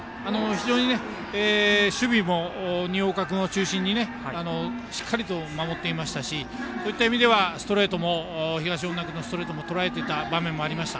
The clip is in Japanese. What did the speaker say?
非常に守備も新岡君を中心にしっかりと守っていましたしそういった意味では東恩納君のストレートをとらえていた場面もありました。